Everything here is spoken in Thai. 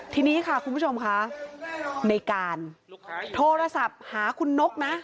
ทีนี้ค่ะคุณผู้ชมค่ะในการโทรศัพท์หาคุณนกนะ